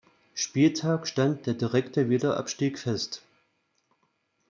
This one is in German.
Spieltag stand der direkte Wiederabstieg fest.